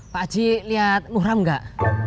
pak ji liat muhram gak